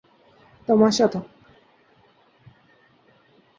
تماشا تھا۔